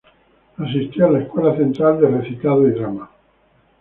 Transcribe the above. Asistió a la Central School of Speech and Drama.